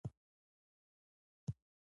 دوی ماموتان، ماستودان او نور تعقیب کړل.